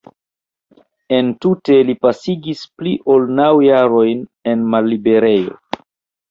Entute li pasigis pli ol naŭ jarojn en malliberejo.